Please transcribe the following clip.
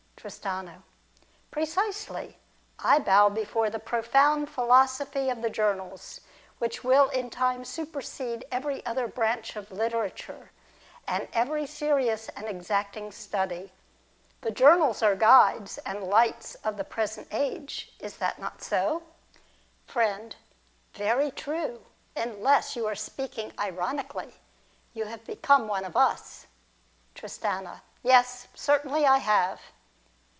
Tristano. Precisely. I bow before the profound philo sophy of the journals, which will in time supersede every other branch of literature, and every serious and exacting study. The journals are the guides and lights of the present age. Is it not so ? Friend. Very true. Unless you are speaking ironically, you have become one of us. Tristano. Yes. Certainly I have.